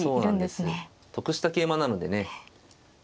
得した桂馬なのでね